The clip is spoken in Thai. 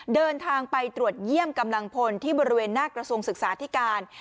เดินทางไปตรวจเยี่ยมกำลังพลที่บริเวณหน้ากระทรวงศึกษาธิการ